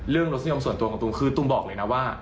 เรื่องรสนิยมส่วนตัวของตุ้มคือตุ้มบอกเลยนะว่า